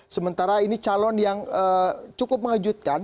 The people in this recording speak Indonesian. sementara ini calon yang cukup mengejutkan